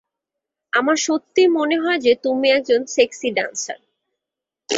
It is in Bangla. আমার সত্যিই মনে হয় যে, তুমি একজন সেক্সি ড্যান্সার।